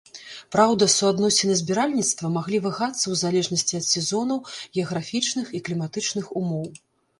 Праўда суадносіны збіральніцтва маглі вагацца ў залежнасці ад сезонаў геаграфічных і кліматычных умоў.